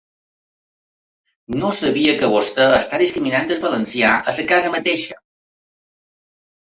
No sabia que vostè està discriminat el valencià a sa casa mateix?